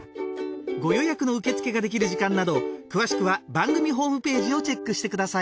ご予約の受け付けができる時間など詳しくは番組ホームページをチェックしてください